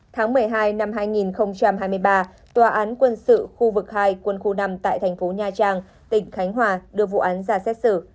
tháng một mươi hai năm hai nghìn hai mươi ba tòa án quân sự khu vực hai quân khu năm tại thành phố nha trang tỉnh khánh hòa đưa vụ án ra xét xử